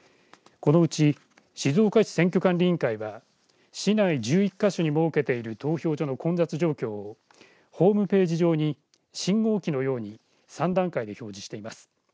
このうち静岡市選挙管理委員会は市内１１か所に設けている投票所の混雑状況をホームページ上に信号機のように３段階で表示しています。